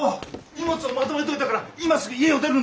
荷物をまとめといたから今すぐ家を出るんだ。